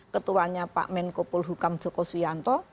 ketuanya pak menkopol hukam joko swianto